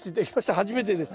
初めてです。